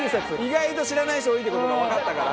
意外と知らない人多いって事がわかったから。